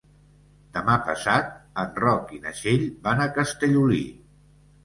Demà passat en Roc i na Txell van a Castellolí.